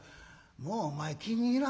「もうお前気に入らんわ。